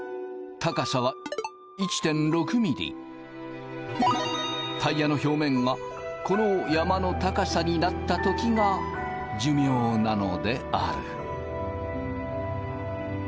高さはタイヤの表面がこの山の高さになった時が寿命なのである。